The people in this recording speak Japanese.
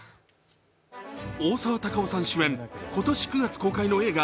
大沢たかおさん主演、今年９月公開の映画